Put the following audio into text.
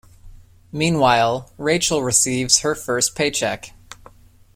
Meanwhile, Rachel receives her first paycheck.